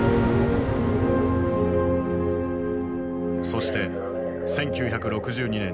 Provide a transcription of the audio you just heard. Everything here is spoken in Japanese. そして１９６２年１０月。